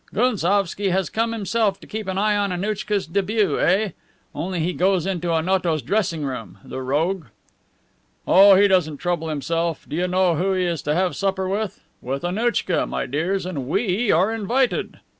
"Gounsovski has come himself to keep an eye on Annouchka's debut, eh? Only he goes into Onoto's dressing room, the rogue." "Oh, he doesn't trouble himself. Do you know who he is to have supper with? With Annouchka, my dears, and we are invited."